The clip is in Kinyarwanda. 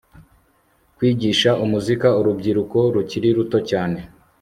kwigisha umuzika urubyiruko rukiri ruto cyane